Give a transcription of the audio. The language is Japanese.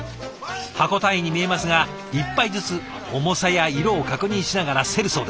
箱単位に見えますが１杯ずつ重さや色を確認しながら競るそうです。